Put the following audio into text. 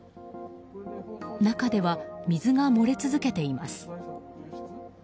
中では水が漏れ続けています。